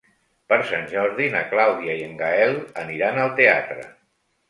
Per Sant Jordi na Clàudia i en Gaël aniran al teatre.